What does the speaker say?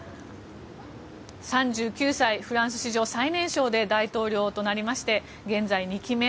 ３９歳、フランス史上最年少で大統領となりまして現在、２期目。